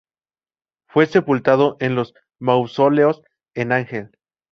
Fue sepultado en los Mausoleos el Ángel.